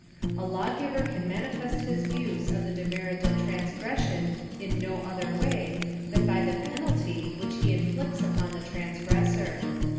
A lawgiver can manifest his views of the demerit of transgression in no other way than by the penalty which he inflicts upon the transgressor.